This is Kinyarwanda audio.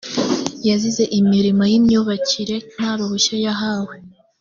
yazize imirimo y’imyubakire nta ruhushya yahawe